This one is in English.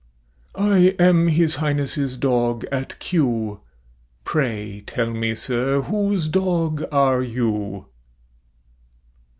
I am His Highness' dog at Kew; Pray tell me, sir, whose dog are you?